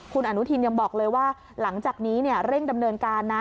คุณอนุทินยังบอกเลยว่าหลังจากนี้เร่งดำเนินการนะ